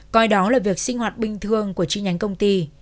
coi đó là việc sinh hoạt bình thường của chi nhánh công ty